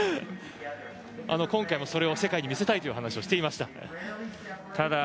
今回もそれを世界に見せたいと話していました。